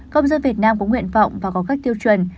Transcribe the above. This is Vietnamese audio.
công dân việt nam có nguyện vọng và có các tiêu chuẩn